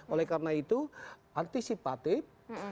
oleh karena itu antisipatif